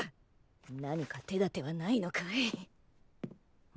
何か手立てはないのかい。